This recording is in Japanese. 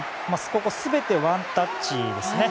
ここ全てワンタッチですね。